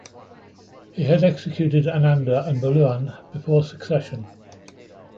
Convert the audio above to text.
He had executed Ananda and Bulughan before succession.